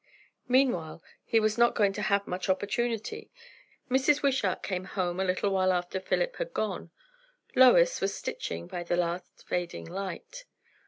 Meanwhile he was not going to have much opportunity. Mrs. Wishart came home a little while after Philip had gone. Lois was stitching by the last fading light.